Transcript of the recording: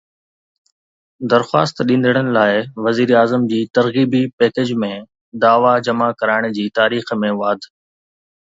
درخواست ڏيندڙن لاءِ وزيراعظم جي ترغيبي پيڪيج ۾ دعويٰ جمع ڪرائڻ جي تاريخ ۾ واڌ